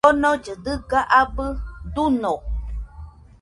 Onollɨ dɨga abɨ duño